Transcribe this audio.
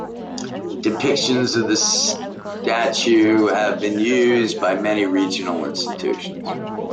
Depictions of the statue have been used by many regional institutions.